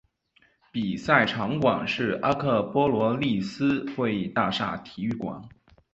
比赛场馆是阿克罗波利斯会议大厦体育馆。